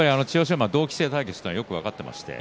馬、同期生対決ということをよく分かっていました。